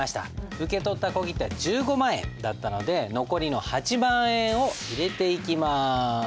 受け取った小切手は１５万円だったので残りの８万円を入れていきます。